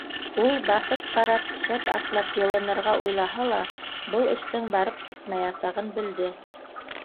— Ул баҫып ҡарап, шәп атлап йылынырға уйлаһа ла, был эштең барып сыҡмаясағын белде.